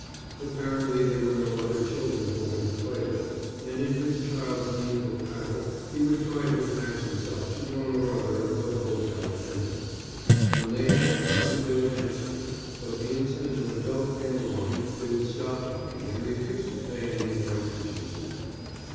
Apparently there were no other children for him to play with, and in his child's need for prattle he would try to attach himself to one or other of the hotel attendants. When they had time they would answer him, but the instant an adult came along they would stop talking and refuse to pay any more attention to him.